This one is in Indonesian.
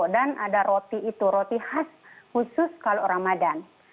dan ada roti itu roti khas khusus kalau ramadhan